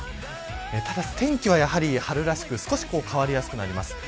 ただ、天気は春らしく少し変わりやすくなります。